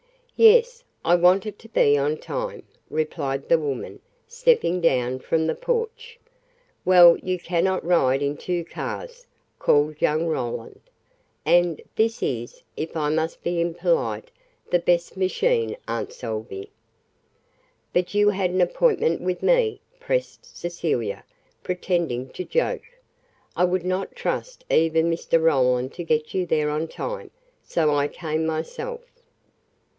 "Yes. I wanted to be on time," replied the woman, stepping down from the porch. "Well, you cannot ride in two cars," called young Roland, "and this is if I must be impolite the best machine, Aunt Salvey." "But you had an appointment with me," pressed Cecilia, pretending to joke. "I would not trust even Mr. Roland to get you there on time, so I came myself."